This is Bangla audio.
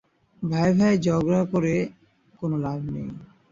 ভাইয়ে-ভাইয়ে ঝগড়া করে কোন লাভ নেই।